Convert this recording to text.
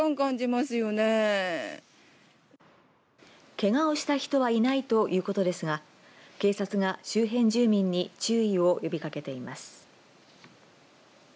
けがをした人はいないということですが警察が周辺住民に注意を呼びかけています。